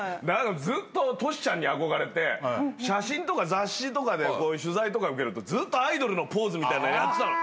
ずっとトシちゃんに憧れて写真とか雑誌とかで取材とか受けるとずっとアイドルのポーズみたいなのやってたの。